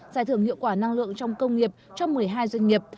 giải thưởng hiệu quả năng lượng trong công nghiệp cho một mươi hai doanh nghiệp